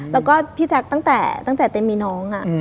แล้วก็พี่แจ๊คตั้งแต่ตั้งแต่เต็มมีน้อง